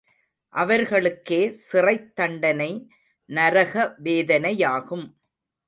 அவர்களுக்கே சிறைத் தண்டனை நரக வேதனையாகும்.